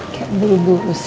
aku ke kamar sebentar